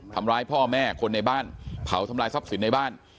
ทำร้ายพ่อแม่คนในบ้านเผาทำลายทรัพย์สินในบ้าน